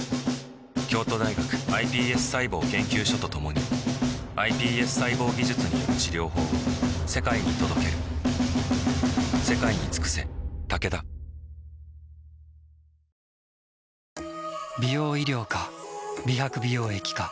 京都大学ｉＰＳ細胞研究所と共にｉＰＳ細胞技術による治療法を世界に届ける届け。